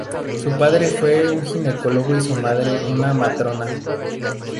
Su padre fue un ginecólogo y su madre una matrona.